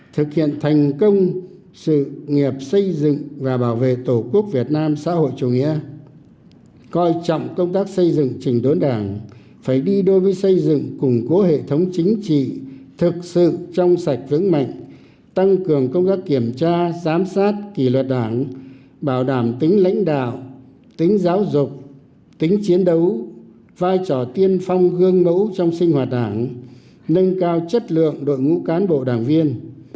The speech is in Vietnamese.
thực hiện thành công sự nghiệp xây dựng và bảo vệ tổ quốc việt nam xã hội chủ nghĩa coi trọng công tác xây dựng trình đối đảng phải đi đối với xây dựng củng cố hệ thống chính trị thực sự trong sạch vững mạnh tăng cường công tác kiểm tra giám sát kỳ luật đảng bảo đảm tính lãnh đạo tính giáo dục tính chiến đấu vai trò tiên phong gương mẫu trong sinh hoạt đảng nâng cao chất lượng đội ngũ cán bộ đảng viên